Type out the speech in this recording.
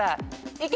いけ！